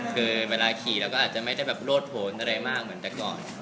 คือเวลาขี่แล้วก็อาจจะไม่ได้แบบโลดผลอะไรมากเหมือนแต่ก่อน